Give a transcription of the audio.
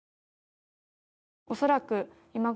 「恐らく今頃」